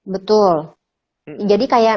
betul jadi kayak